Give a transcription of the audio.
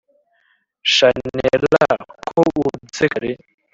chanella ko ubyutse kare!!